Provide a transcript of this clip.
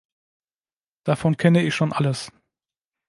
Davon kenne ich schon alles.